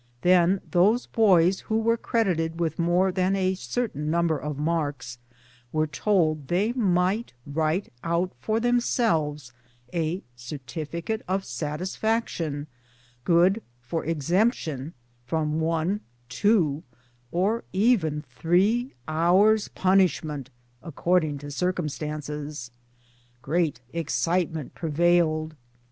Then those boys who were credited with more than a certain number of marks were told they might write out for themselves a certificate of satisfaction, good for exemption from one, two, or even three hours* punishment, according to circumstances ! Great ex citement prevailed.